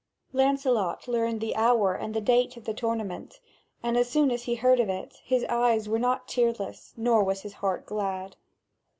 Lancelot learned the hour and date of the tournament, and as soon as he heard of it, his eyes were not tearless nor was his heart glad.